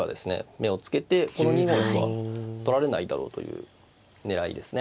目をつけてこの２五の歩は取られないだろうという狙いですね。